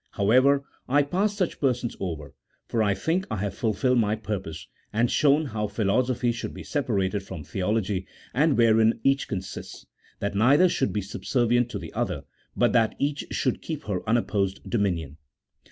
However, I pass such persons over, for I think I have fulfilled my purpose, and shown how philosophy should be separated from theology, and wherein each consists; that neither should be subservient to the other, but that each should keep her unopposed dominion.